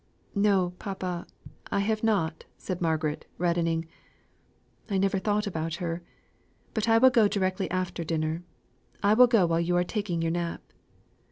"No, papa; I have not," said Margaret, reddening. "I never thought about her. But I will go directly after dinner; I will go while you are taking your nap."